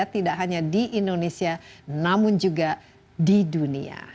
tidak hanya di indonesia namun juga di dunia